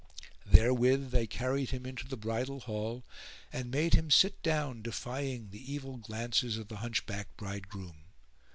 Therewith they carried him into the bridal hall and made him sit down defying the evil glances of the hunchbacked bridegroom.